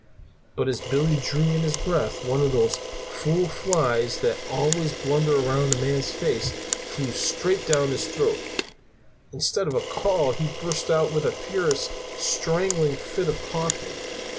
But as Billy drew in his breath, one of those fool flies that are always blundering around a man's face flew straight down his throat. Instead of a call he burst out with a furious, strangling fit of coughing.